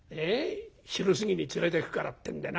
『昼過ぎに連れてくから』ってんでな。